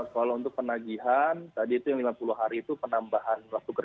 kalau untuk penagihan tadi itu yang lima puluh hari itu penataan landscape